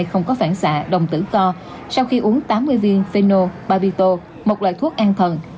không có phản xạ đồng tử co sau khi uống tám mươi viên phenol babito một loại thuốc an thần